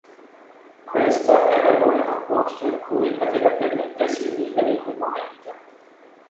Questo era l'unico posto in cui poteva permettersi di vivere in quel momento.